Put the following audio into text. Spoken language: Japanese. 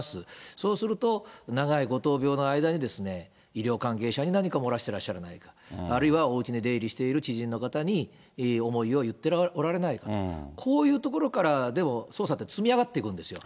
そうすると、長いこと、の間に医療関係者に何か漏らしてらっしゃるんじゃないか、あるいはおうちに出入りしている知人の方に、思いを言っておられないか、こういうところからでも捜査って積み上がっていくんですよ。